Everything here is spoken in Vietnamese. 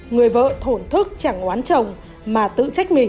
người vợ thổn thức chẳng quan trọng mà tự trách mình